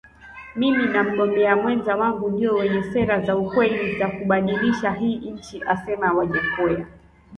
Mimi na mgombea mwenza wangu ndio wenye sera za ukweli za kubadilisha hii nchi Amesema Wajackoya